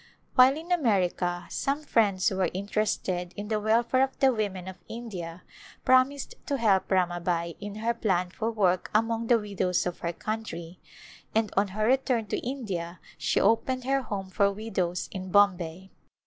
While in America some friends who were interested in the welfare of the women of India promised to help Ramabai in her plan for work among the widows of her country and on her return to India she opened Return to India her Home for Widows in Bombay.